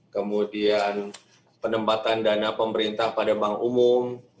kemudian penempatan dana pemerintah pada bank umum